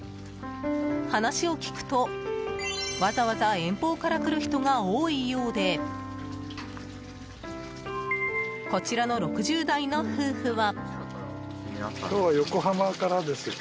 話を聞くと、わざわざ遠方から来る人が多いようでこちらの６０代の夫婦は。